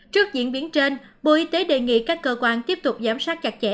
trước diễn biến trên bộ y tế đề nghị các cơ quan tiếp tục giám sát chặt chẽ